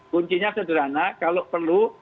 kuncinya sederhana kalau perlu